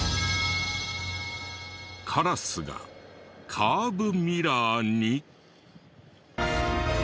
カラスがカーブミラーに。